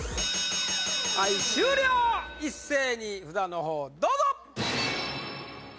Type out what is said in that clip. はい終了一斉に札のほうどうぞ！